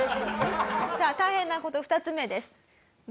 さあ大変な事２つ目です。